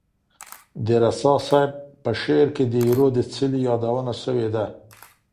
د رسا صاحب په شعر کي د ایرو د څلي یادونه سوې ده.